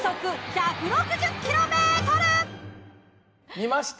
見ました？